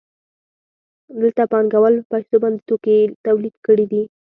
دلته پانګوال په پیسو باندې توکي تولید کړي دي